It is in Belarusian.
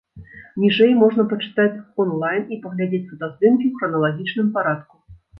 Ніжэй можна пачытаць онлайн і паглядзець фотаздымкі ў храналагічным парадку.